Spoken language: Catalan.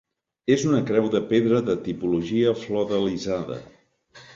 És una creu de pedra de tipologia flordelisada.